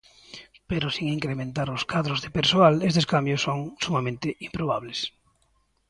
Pero sen incrementar os cadros de persoal estes cambios son sumamente improbables.